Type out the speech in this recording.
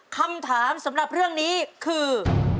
คำถามสำหรับเรื่องนี้คือ